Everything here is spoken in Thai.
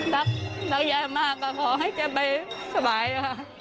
รักยายมากฮะขอให้แกไปสบายพ่อ